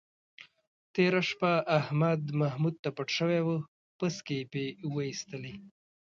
تېره شپه احمد محمود ته پټ شوی و، پسکې یې پې وایستلی.